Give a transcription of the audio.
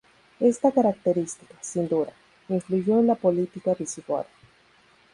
Esta característica, sin duda, influyó en la política visigoda.